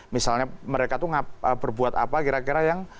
misalnya mereka tuh berbuat apa kira kira yang